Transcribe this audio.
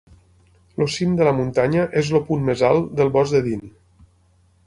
El cim de la muntanya és el punt més alt del bosc de Dean.